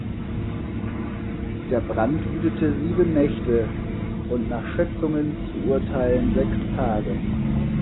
Der Brand wütete sieben Nächte und nach Schätzungen zu urteilen sechs Tage.